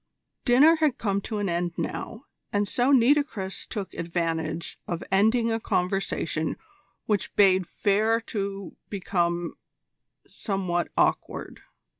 Dinner had come to an end now, and so Nitocris took advantage of ending a conversation which bade fair to become somewhat awkward.